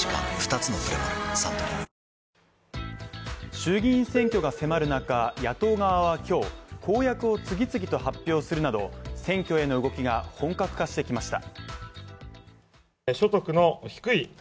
衆議院選挙が迫る中、野党側は今日、公約を次々と発表するなど選挙への動きが本格化してきました。